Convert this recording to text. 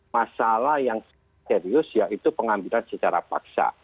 masalah yang serius yaitu pengambilan secara paksa